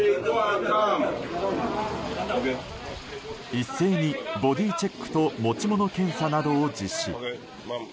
一斉にボディーチェックと持ち物検査などを実施。